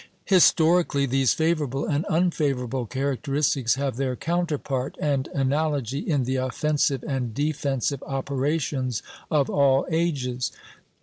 Historically, these favorable and unfavorable characteristics have their counterpart and analogy in the offensive and defensive operations of all ages.